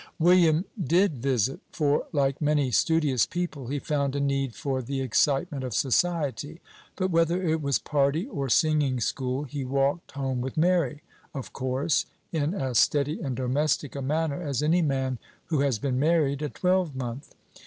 William did visit; for, like many studious people, he found a need for the excitement of society; but, whether it was party or singing school, he walked home with Mary, of course, in as steady and domestic a manner as any man who has been married a twelvemonth.